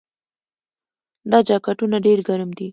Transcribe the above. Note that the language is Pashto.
دا جاکټونه ډیر ګرم دي.